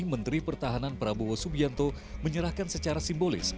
menteri pertahanan prabowo subianto menyerahkan secara simbolis